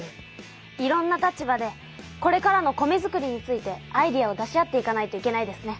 いろんな立場でこれからの米づくりについてアイデアを出し合っていかないといけないですね。